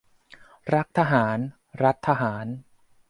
รักทหาร รัฐทหาร